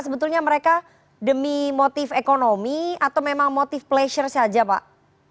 sebetulnya mereka demi motif ekonomi atau memang motif pleasure saja pak